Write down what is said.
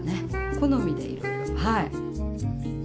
好みでいろいろ。